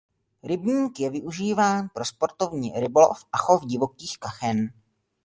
Rybník je využíván pro sportovní rybolov a chov divokých kachen.